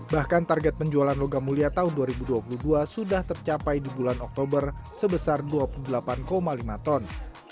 bahkan target penjualan logam mulia tahun dua ribu dua puluh dua sudah tercapai di bulan oktober sebesar dua puluh delapan lima ton